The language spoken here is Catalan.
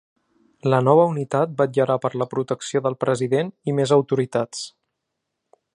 La nova unitat vetllarà per la protecció del president i més autoritats.